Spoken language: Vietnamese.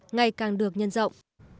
ngày càng được nhân rộng